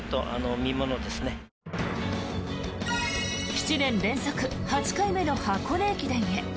７年連続８回目の箱根駅伝へ。